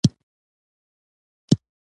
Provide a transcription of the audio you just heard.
که ګاونډي ته مصیبت وي، مرسته کوه